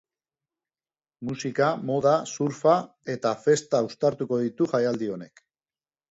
Musika, moda, surfa eta festa uztartuko ditu jaialdi honek.